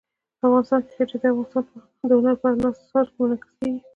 افغانستان کې ښتې د هنر په اثار کې منعکس کېږي.